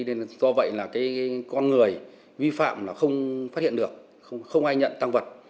do vậy con người vi phạm không phát hiện được không ai nhận tăng vật